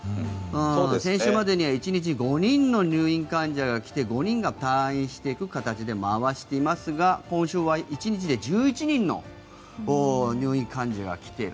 先週までには１日５人の入院患者が来て５人が退院していく形で回していますが今週は１日で１１人の入院患者が来ている。